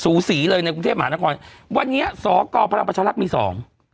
ูสีเลยในกรุงเทพมหานครวันนี้สกพลังประชารัฐมีสอง